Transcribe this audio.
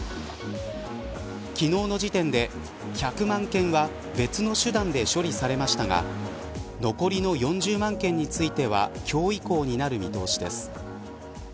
昨日の時点で、１００万件は別の手段で処理されましたが残りの４０万件については今日以降になる見通しです。